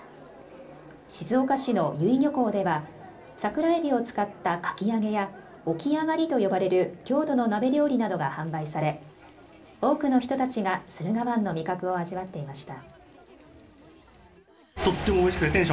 静岡市の由比漁港ではサクラエビを使ったかき揚げや沖あがりと呼ばれる郷土の鍋料理などが販売され多くの人たちが駿河湾の味覚を味わっていました。